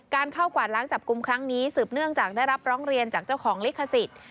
เข้ากวาดล้างจับกลุ่มครั้งนี้สืบเนื่องจากได้รับร้องเรียนจากเจ้าของลิขสิทธิ์